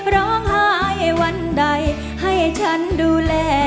ร้องหายวันใดให้ฉันดูแลใจเธอ